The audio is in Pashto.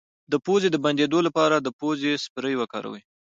د پوزې د بندیدو لپاره د پوزې سپری وکاروئ